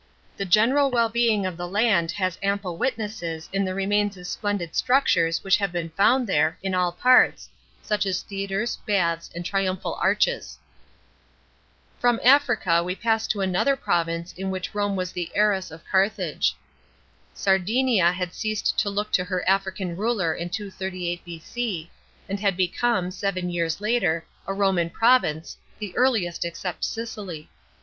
The general wellbeiug of the land has ample witnesses in the remains of splendid structures which have been found there, in all parts, such as theatres, baths and trium phal arches. § 8. From Africa we pass to another province in which Rome was the heiress of Carthage. Sardinia had ceased to look to her African ruler in 238 B.C., and had become, seven years later, a Roman province, the earliest except Sicily.